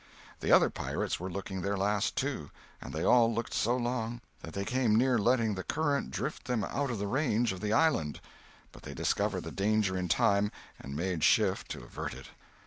The other pirates were looking their last, too; and they all looked so long that they came near letting the current drift them out of the range of the island. But they discovered the danger in time, and made shift to avert it.